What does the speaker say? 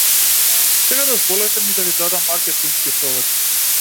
Сега дозволете ми да ви дадам маркетиншки совет.